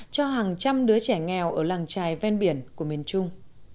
cho hàng trăm đứa trẻ nghèo ở làng trài ven biển của miền trung